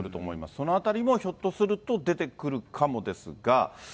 そのあたりもひょっとすると出てくるかもですが。